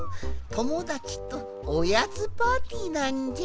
ともだちとおやつパーティーなんじゃ。